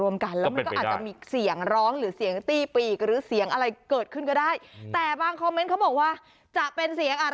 มันเป็นผู้ชาย